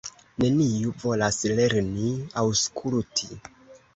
Neniu volas lerni aŭskulti.